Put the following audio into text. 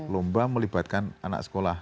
lomba melibatkan anak sekolah